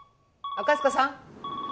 赤塚さん！？